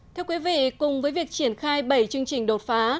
thưa quý vị cùng với việc triển khai bảy chương trình đột phá